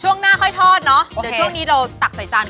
ช่วงหน้าค่อยทอดเนอะ